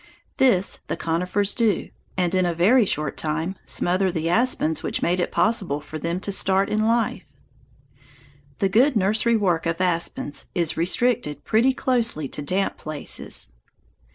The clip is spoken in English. This the conifers do, and in a very short time smother the aspens that made it possible for them to start in life. The good nursery work of aspens is restricted pretty closely to damp places.